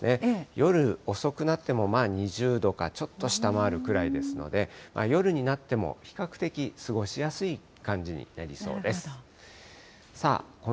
夜遅くなっても２０度かちょっと下回るくらいですので、夜になっても比較的過ごしやすい感じになりそうです。